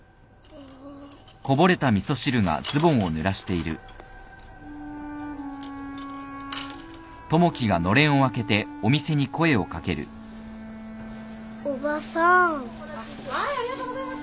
あっはいありがとうございます。